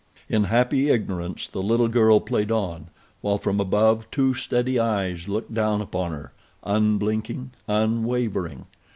In happy ignorance the little girl played on, while from above two steady eyes looked down upon her—unblinking, unwavering.